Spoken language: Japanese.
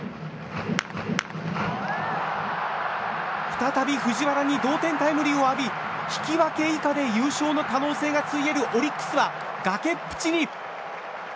再び藤原に同点タイムリーを浴び引き分け以下で優勝の可能性がついえるオリックスは崖っぷちに。